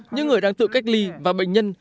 những người đang tự cách ly và bệnh nhân